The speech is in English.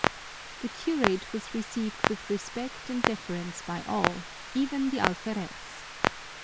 The curate was received with respect and deference by all, even the alferez.